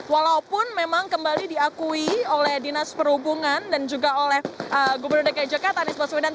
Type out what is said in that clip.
walaupun memang kembali diakui oleh dinas perhubungan dan juga oleh gubernur dki jakarta anies baswedan